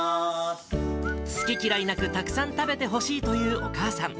好き嫌いなく、たくさん食べてほしいというお母さん。